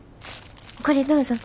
これどうぞ。